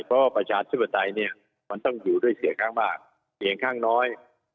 เพราะว่าประชาชิบตัยมันต้องอยู่ด้วยเสียงข้างบ้างเสียงข้างน้อย